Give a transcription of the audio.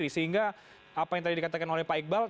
sehingga apa yang tadi dikatakan oleh pak iqbal